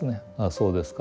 そうですかと。